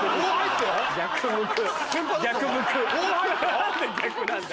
何で逆なんだよ。